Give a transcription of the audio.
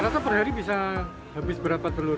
satu per hari bisa habis berapa telur